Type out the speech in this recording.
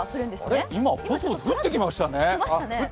あれ、今、ポツポツ降ってきましたね。